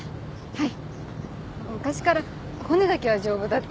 はい。